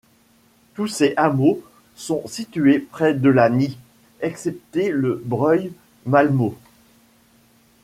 Tous ces hameaux sont situés près de la Nie, excepté le Breuil Malmaud.